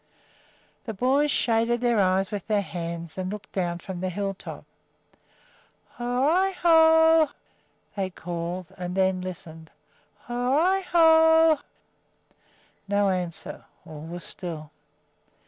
The boys shaded their eyes with their hands and looked down from the hilltop. "Ho i ho!" they called, and then listened. "Ho i ho!" No answer. All was still.